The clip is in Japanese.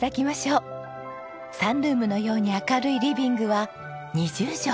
サンルームのように明るいリビングは２０畳。